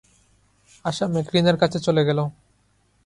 আশা ম্যাকলিনের কাছে চলে গেল।